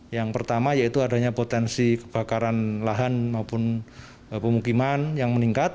yang pertama yaitu adanya potensi kebakaran lahan maupun pemukiman yang meningkat